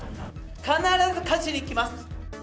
必ず勝ちにいきます。